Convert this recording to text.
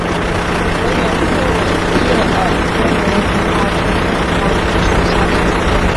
河源复叶耳蕨为鳞毛蕨科复叶耳蕨属下的一个种。